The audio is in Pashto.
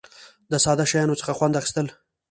د ساده شیانو څخه خوند اخیستل.